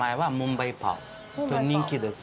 人気です。